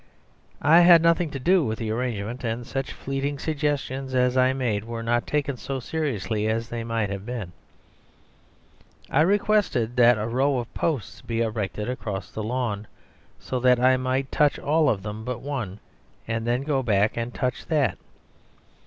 I had nothing to do with the arrangement; and such fleeting suggestions as I made were not taken so seriously as they might have been. I requested that a row of posts be erected across the lawn, so that I might touch all of them but one, and then go back and touch that.